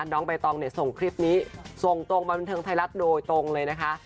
น้องใบตองเนี่ยส่งคลิปนี้ส่งตรงมาบันเทิงไทยรัฐโดยตรงเลยนะคะ